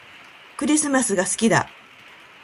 クリスマスが好きだ